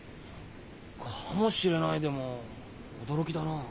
「かもしれない」でも驚きだなあ。